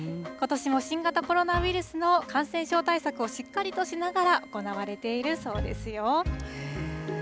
ことしも新型コロナウイルスの感染症対策をしっかりとしながら、行われているそうですよ。